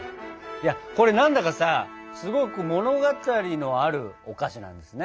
いやこれ何だかさすごく物語のあるお菓子なんですね。